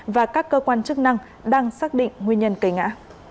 và các cơ quan chức năng đang xác định nguyên nhân cây ngã